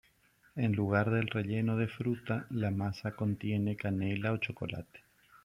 En lugar del relleno de fruta la masa contiene canela o chocolate.